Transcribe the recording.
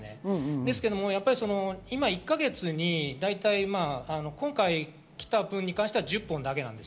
ですが今１か月に大体来た分は１０本だけなんです。